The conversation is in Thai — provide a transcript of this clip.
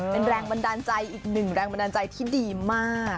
เป็นแรงบันดาลใจอีกหนึ่งแรงบันดาลใจที่ดีมาก